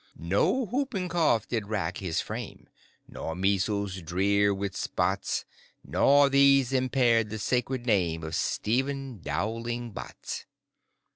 No whooping cough did rack his frame, Nor measles drear with spots; Not these impaired the sacred name Of Stephen Dowling Bots.